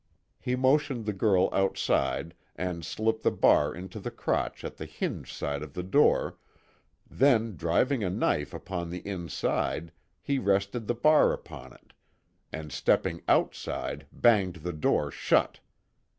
He motioned the girl outside, and slipped the bar into the crotch at the hinge side of the door, then driving a knife upon the inside, he rested the bar upon it, and stepping outside, banged the door shut.